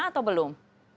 diterima atau belum